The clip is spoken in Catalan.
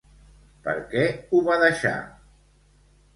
Per què ho va deixar?